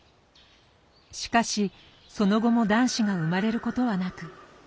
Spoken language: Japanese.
しかしその後も男子が生まれることはなく。